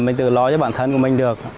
mình tự lo cho bản thân mình được